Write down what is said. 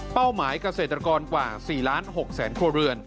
หมายเกษตรกรกว่า๔๖๐๐๐ครัวเรือน